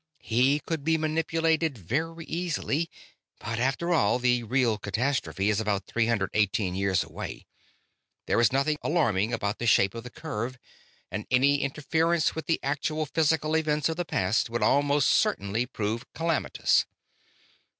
He could be manipulated very easily ... but, after all, the real catastrophe is about three hundred eighteen years away; there is nothing alarming about the shape of the curve; and any interference with the actual physical events of the past would almost certainly prove calamitous.